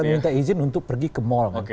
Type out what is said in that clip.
minta izin untuk pergi ke mol